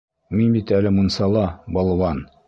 Мин бит әле мунсала. болван!!!